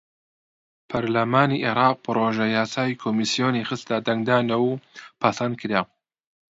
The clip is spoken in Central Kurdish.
پەڕلەمانی عێراق پڕۆژەیاسای کۆمیسیۆنی خستە دەنگدانەوە و پەسەندکرا.